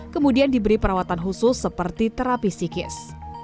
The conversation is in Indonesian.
kemudian diberi perawatan khusus seperti terapisikis